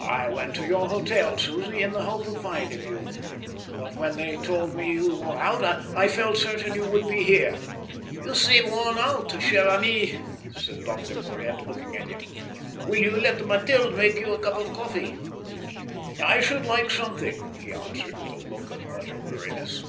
"I went to your hotel, Susie, in the hope of finding you; but when they told me you were out, I felt certain you would be here." "You seem worn out, cher ami," said Dr Porhoët, looking at him. "Will you let Matilde make you a cup of coffee?" "I should like something," he answered, with a look of utter weariness.